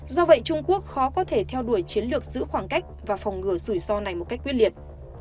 do vậy trung quốc khó có thể theo đuổi chiến lược giữ khoảng cách và phòng ngừa rủi ro này một cách quyết liệt